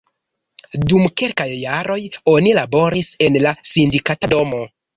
Dum kelkaj jaroj oni laboris en la Sindikata Domo.